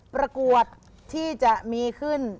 ประกวดที่จะมีขึ้น